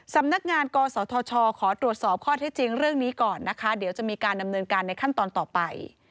สำนักงานกศธชขอตรวจสอบข้อเท็จจริงเรื่องนี้ก่อนนะคะเดี๋ยวจะมีการดำเนินการในขั้นตอนต่อไป